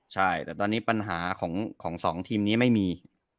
ใช่แต่ตอนนี้ปัญหาของสองทีมนี้ไม่มี